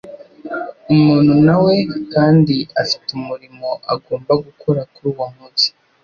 Umuntu nawe kandi afite umurimo agomba gukora kuri uwo munsi.